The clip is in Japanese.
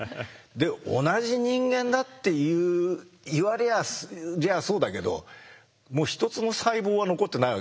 で同じ人間だって言われりゃそうだけどもう一つも細胞は残ってないわけですね。